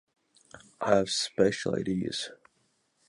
I have special ideas.